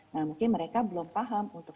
nah mungkin mereka belum paham untuk